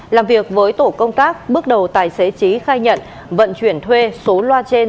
làm việc với tổ công tác bước đầu tài xế trí khai nhận vận chuyển thuê số loa trên